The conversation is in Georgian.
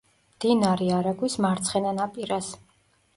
მდინარე არაგვის მარცხენა ნაპირას.